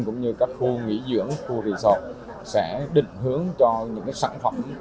cũng như các khu nghỉ dưỡng khu resort sẽ định hướng cho những sản phẩm